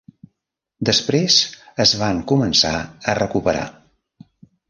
Després es van començar a recuperar.